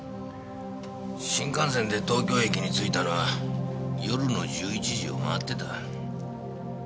新幹線で東京駅に着いたのは夜の１１時を回ってた。